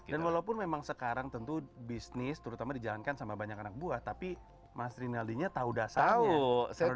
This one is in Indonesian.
walaupun memang sekarang tentu bisnis terutama dijalankan sama banyak anak buah tapi mas rinaldinya tahu dasarnya